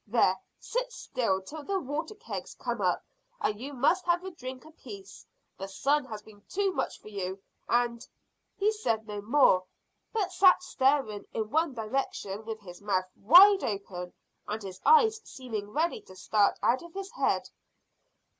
"There, sit still till the water kegs come up, and you must have a drink apiece. The sun has been too much for you, and " He said no more, but sat staring in one direction with his mouth wide open and his eyes seeming ready to start out of his head.